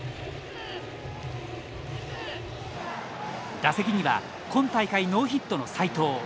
打席には今大会ノーヒットの斎藤。